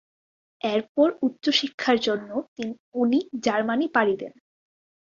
এর পর উচ্চশিক্ষার জন্য উনি জার্মানি পাড়ি দেন।